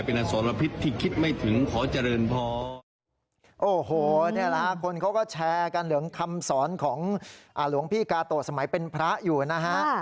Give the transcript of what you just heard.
โอ้โฮคนเขาก็แชร์กันเหลืองคำสอนของหลวงพี่กาโตะสมัยเป็นพระอยู่นะครับ